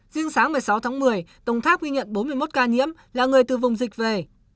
riêng sáng một mươi sáu tháng một mươi tổng tháp ghi nhận bốn mươi một ca nhiễm là người từ vùng dịch về